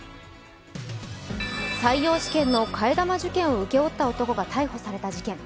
採用試験の替え玉受検を請け負った男が逮捕された事件。